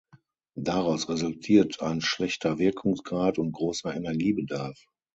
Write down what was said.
Daraus resultiert ein schlechter Wirkungsgrad und großer Energiebedarf.